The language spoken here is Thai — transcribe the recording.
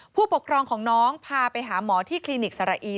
ผู้ปกครองของน้องพาไปหาหมอที่คลินิกสระอี